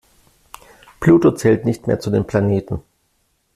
Pluto zählt nicht mehr zu den Planeten.